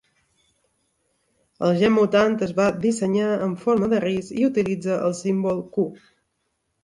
El gen mutant es va dissenyar en forma de ris i utilitza el símbol Cu.